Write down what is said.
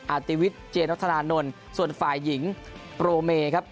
อาร์ติวิทเจนรธานนนส่วนฝ่ายหญิงโปรเมครับ